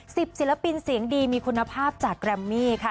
ศิลปินเสียงดีมีคุณภาพจากแรมมี่ค่ะ